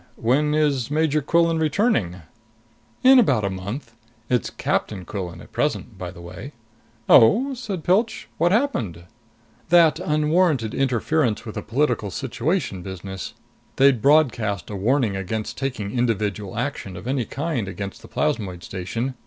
When is Major Quillan returning?" "In about a month. It's Captain Quillan at present, by the way." "Oh?" said Pilch. "What happened?" "That unwarranted interference with a political situation business. They'd broadcast a warning against taking individual action of any kind against the plasmoid station.